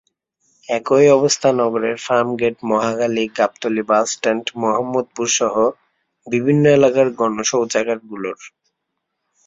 একই অবস্থা নগরের ফার্মগেট, মহাখালী, গাবতলী বাসস্ট্যান্ড, মোহাম্মদপুরসহ বিভিন্ন এলাকার গণশৌচাগারগুলোর।